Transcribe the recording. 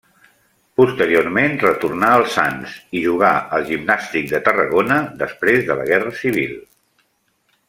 Posteriorment retornà al Sants i jugà al Gimnàstic de Tarragona després de la guerra civil.